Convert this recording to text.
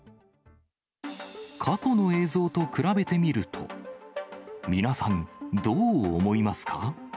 過去の映像と比べてみると、皆さん、どう思いますか。